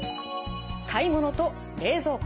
買い物と冷蔵庫。